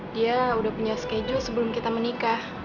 dia udah punya schedule sebelum kita menikah